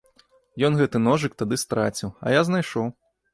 Ён гэты ножык тады страціў, а я знайшоў.